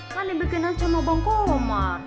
kan dibikin sama bangkoma